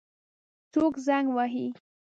څوک زنګ وهي؟